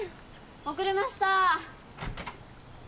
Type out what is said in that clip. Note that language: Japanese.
遅れました！